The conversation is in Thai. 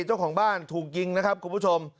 เจ้าของบ้านถูกยิงนะครับคุณผู้ชม